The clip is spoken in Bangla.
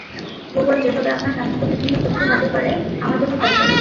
গুগল যেভাবে আপনার কাঙ্ক্ষিত বিভিন্ন তথ্য হাজির করে, আমাজনও তা-ই করে।